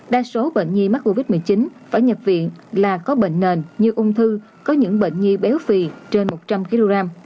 đa số bệnh nhi mắc covid một mươi chín phải nhập viện là có bệnh nền như ung thư có những bệnh nhi béo phì trên một trăm linh kg